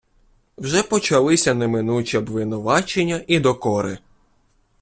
Вже почалися неминучі обвинувачення і докори.